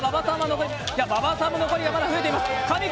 馬場さんも残りが増えています。